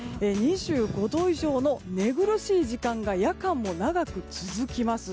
２５度以上の寝苦しい時間が夜間も長く続きます。